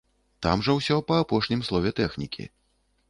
Там жа ўсё па апошнім слове тэхнікі.